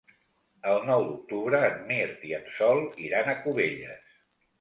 El nou d'octubre en Mirt i en Sol iran a Cubelles.